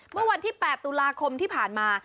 เมื่อวันที่๘ตุลาคมที่ผ่านมา